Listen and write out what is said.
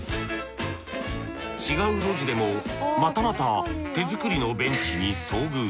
違う路地でもまたまた手作りのベンチに遭遇。